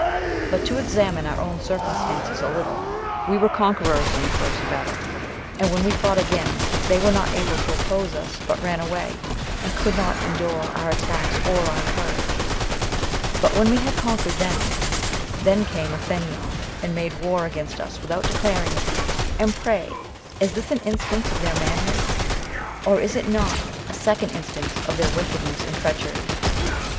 But to examine our own circumstances a little, we were conquerors in the first battle; and when we fought again, they were not able to oppose us, but ran away, and could not endure our attacks or our courage; but when we had conquered them, then came Athenion, and made war against us without declaring it; and pray, is this an instance of their manhood? or is it not a second instance of their wickedness and treachery?